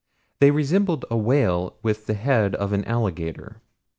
They resembled a whale with the head of an alligator.